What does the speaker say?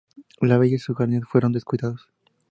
La villa y sus jardines fueron descuidados.